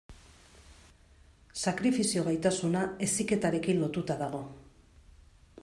Sakrifizio gaitasuna heziketarekin lotuta dago.